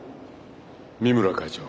三村会長。